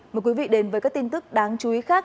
mời quý vị đến với các tin tức đáng chú ý khác